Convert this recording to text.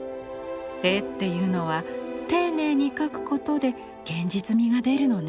絵っていうのは丁寧に描くことで現実味が出るのね」。